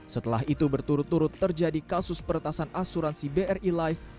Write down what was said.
setelah itu berturut turut terjadi kasus peretasan asuransi bri life